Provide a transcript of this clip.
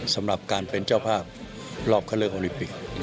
สำหรับการเป็นเจ้าภาพรอบเข้าเลือกโอลิปิก